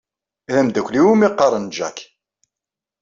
D amdakel-iw iwumi qqaren Jack.